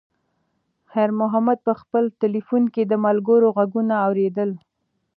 خیر محمد په خپل تلیفون کې د ملګرو غږونه اورېدل.